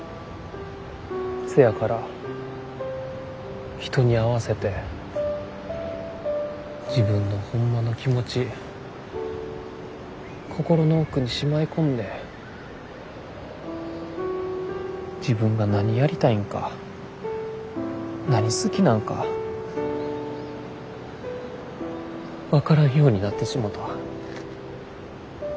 せやから人に合わせて自分のホンマの気持ち心の奥にしまい込んで自分が何やりたいんか何好きなんか分からんようになってしもた。